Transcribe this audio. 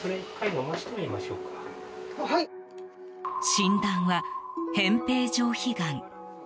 診断は扁平上皮がん。